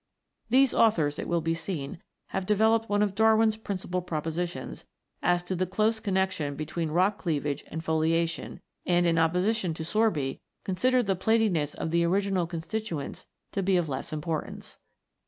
These authors, it will be seen, have developed one of Darwin's principal propositions, as to the close connexion between rock cleavage and foliation, and, in opposition to Sorby, consider the platiness of the original constituents to be of less importance.